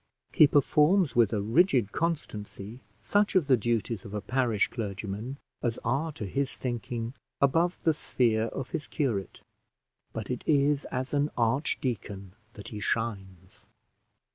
He performs with a rigid constancy such of the duties of a parish clergyman as are, to his thinking, above the sphere of his curate, but it is as an archdeacon that he shines.